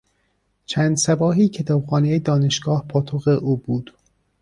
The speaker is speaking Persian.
چند صباحی کتابخانهی دانشگاه پاتوق او بود.